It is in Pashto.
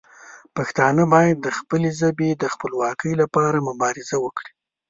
پښتانه باید د خپلې ژبې د خپلواکۍ لپاره مبارزه وکړي.